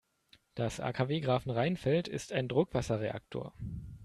Das AKW Grafenrheinfeld ist ein Druckwasserreaktor.